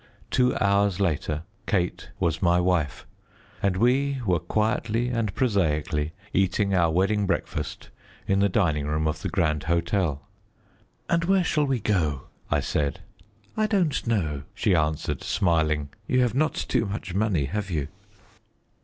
Two hours later Kate was my wife, and we were quietly and prosaically eating our wedding breakfast in the dining room of the Grand Hotel. "And where shall we go?" I said. "I don't know," she answered, smiling; "you have not much money, have you?"